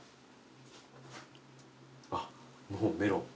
あっもうメロン。